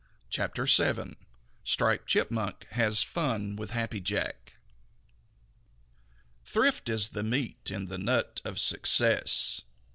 CHAPTER VII STRIPED CHIPMUNK HAS FUN WITH HAPPY JACK Thrift is the meat in the nut of success.